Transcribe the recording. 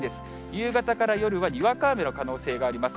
夕方から夜はにわか雨の可能性があります。